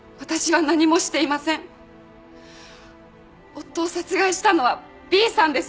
夫を殺害したのはＢさんです。